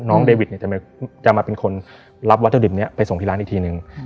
เดวิดเนี่ยจะมาเป็นคนรับวัตถุดิบนี้ไปส่งที่ร้านอีกทีนึง